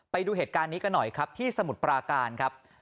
ไปดูเหตุการณ์นี้กันหน่อยครับที่สมุทรปราการครับ